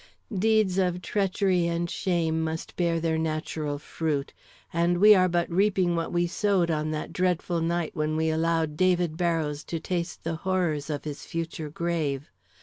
Deeds of treachery and shame must bear their natural fruit, and we are but reaping what we sowed on that dreadful night when we allowed David Barrows to taste the horrors of his future grave.